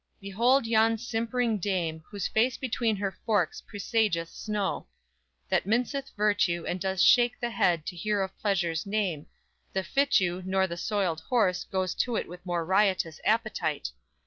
Behold yon simpering dame, Whose face between her forks presageth snow; That minceth virtue, and does shake the head To hear of pleasure's name; The fitchew, nor the soiled horse, goes to it With more riotous appetite.